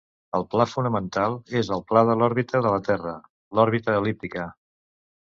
El pla fonamental és el pla de l'òrbita de la Terra, l'òrbita el·líptica.